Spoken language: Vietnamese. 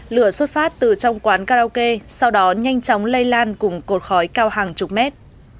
lửa xuất phát từ trong quán karaoke sau đó nhanh chóng lây lan cùng cột khói cao hàng chục mét